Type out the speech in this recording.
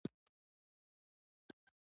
عملي لحاظ نژدې دي.